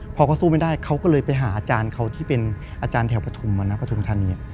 พอเขาสู้ไม่ได้เขาก็เลยไปหาอาจารย์เขาที่เป็นอาจารย์แถวปฐุมมานะปฐุมธานี